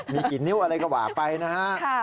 มีกี่นิ้วอะไรก็ว่าไปนะฮะ